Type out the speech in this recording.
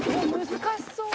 「難しそう」